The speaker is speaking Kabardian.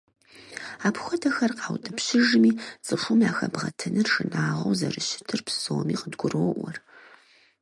Апхуэдэхэр къаутӏыпщыжми, цӀыхум яхэбгъэтыныр шынагъуэу зэрыщытыр псоми къыдгуроӏуэр.